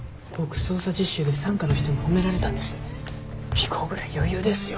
尾行ぐらい余裕ですよ。